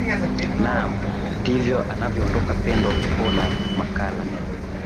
naam ndivyo anavyoondoka pendo po na makala